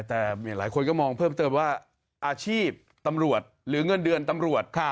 แต่หลายคนก็มองเพิ่มเติมว่าอาชีพตำรวจหรือเงินเดือนตำรวจ